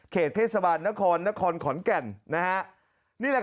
เขจเทศสาบันตร์คอร์นคอร์นขอนแก่น